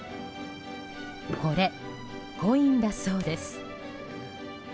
これ、コインだそうです。